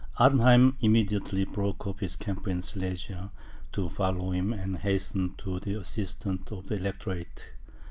Arnheim immediately broke up his camp in Silesia, to follow him, and hastened to the assistance of the Electorate.